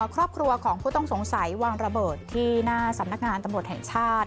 ครอบครัวของผู้ต้องสงสัยวางระเบิดที่หน้าสำนักงานตำรวจแห่งชาติ